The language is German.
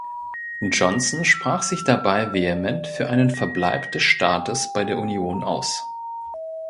Johnson sprach sich dabei vehement für einen Verbleib des Staates bei der Union aus.